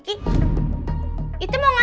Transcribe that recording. kasi info penting apa ke bapak